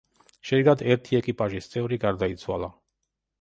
შედეგად ერთი ეკიპაჟის წევრი გარდაიცვალა.